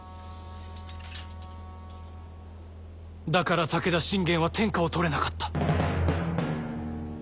だから武田信玄は天下を取れなかった。